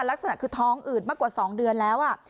ลักษณะคือท้องอืดมากกว่า๒เดือนแล้ว